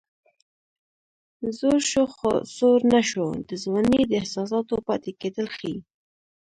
زوړ شو خو سوړ نه شو د ځوانۍ د احساساتو پاتې کېدل ښيي